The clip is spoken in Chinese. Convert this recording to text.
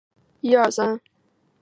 卢贝贝尔纳克。